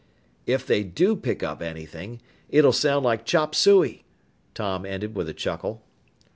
"If they do pick up anything, it'll sound like chop suey," Tom ended with a chuckle.